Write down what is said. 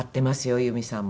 裕美さんも。